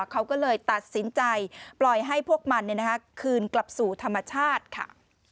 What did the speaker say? เขาก็เลยตัดสินใจปล่อยให้พวกมันคืนกลับสู่ธรรมชาติค่ะ